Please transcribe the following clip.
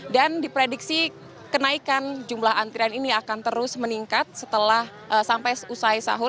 dan diprediksi kenaikan jumlah antrian ini akan terus meningkat setelah sampai usai sahur